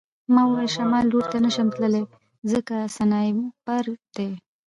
ما وویل شمال لور ته نشم تللی ځکه سنایپر دی